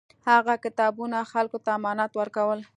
هغه کتابونه خلکو ته امانت ورکول.